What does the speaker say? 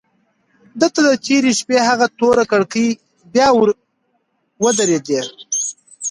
ده ته د تېرې شپې هغه تورې کړکۍ بیا ودرېدې.